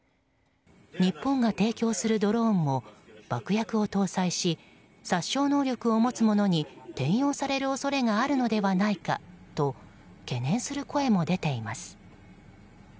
日本が提供するドローンも爆薬を搭載し殺傷能力を持つものに転用される恐れがあるのではないかと懸念する声も出ています。